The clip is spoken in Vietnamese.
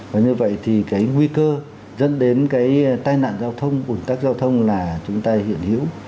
và như vậy thì cái nguy cơ dẫn đến cái tai nạn giao thông ủn tắc giao thông là chúng ta hiện hữu